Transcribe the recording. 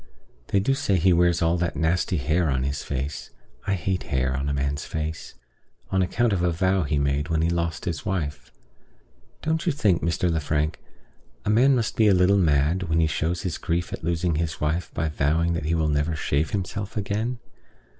They do say he wears all that nasty hair on his face (I hate hair on a man's face) on account of a vow he made when he lost his wife. Don't you think, Mr. Lefrank, a man must be a little mad who shows his grief at losing his wife by vowing that he will never shave himself again?